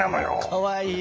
かわいい。